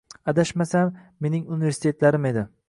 Adashmasam, Mening universitetlarim edi